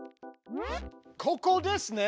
ここですね！